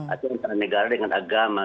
antara negara dengan agama